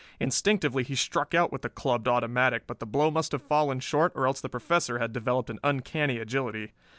Instinctively he struck out with the clubbed automatic, but the blow must have fallen short, or else the Professor had developed an uncanny agility.